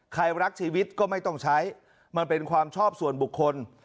รักชีวิตก็ไม่ต้องใช้มันเป็นความชอบส่วนบุคคล